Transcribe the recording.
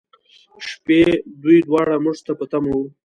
شپې، دوی دواړه موږ ته په تمه و.